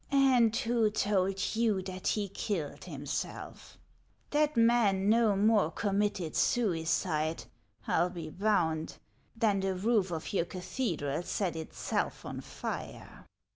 " And who told you that he killed himself ? That man no more committed suicide, I '11 be bound, than the roof of your cathedral set itself on fire."